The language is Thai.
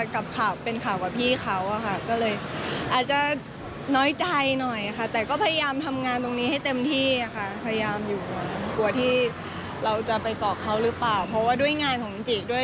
ก่อนจะเผยว่าพี่ชายคนสนิทไม่เคยชวนไปร่วมสังกัดเดียวกันเพียงแค่ให้คำปรึกษาที่ดีมาโดยเท่านั้นค่ะ